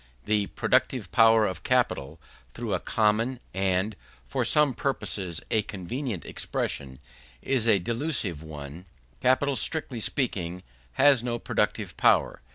The "productive power of capital," though a common, and, for some purposes, a convenient expression, is a delusive one. Capital, strictly speaking, has no productive power.